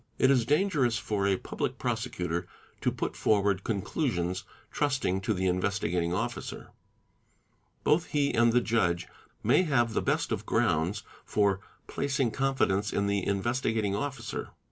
It is dangerous for a Public Prosecutor to put forward conclusions, trusting to the Investigating Officer. "Both he and the judge may have the best of grounds for placing confidence in the Investigating Officer.